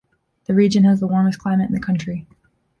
The region has the warmest climate in the country.